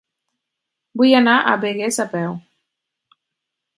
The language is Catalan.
Vull anar a Begues a peu.